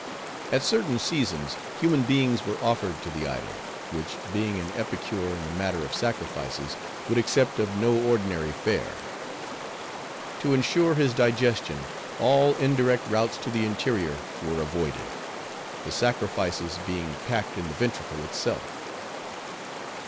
At certain seasons, human beings were offered to the idol, which being an epicure in the matter of sacrifices, would accept of no ordinary fare. To insure his digestion, all indirect routes to the interior were avoided; the sacrifices being packed in the ventricle itself.